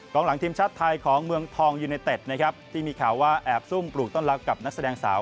หลังทีมชาติไทยของเมืองทองยูเนเต็ดนะครับที่มีข่าวว่าแอบซุ่มปลูกต้อนรับกับนักแสดงสาว